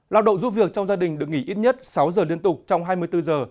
lao động giúp việc trong gia đình được nghỉ ít nhất sáu giờ liên tục trong hai mươi bốn giờ